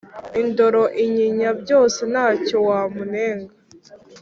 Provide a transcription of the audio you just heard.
Indoro inyinya byose ntacyo wamunenga